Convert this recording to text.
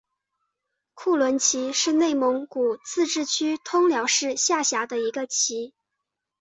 库伦旗是内蒙古自治区通辽市下辖的一个旗。